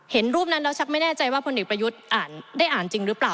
เห็นรูปนั้นแล้วชักไม่แน่ใจว่าพลเอกประยุทธ์อ่านได้อ่านจริงหรือเปล่า